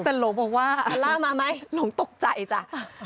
แต่หลงบอกว่าหลงตกใจจ้ะพอลล่ามาไหม